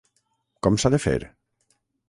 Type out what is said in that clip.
Com s’ha de fer?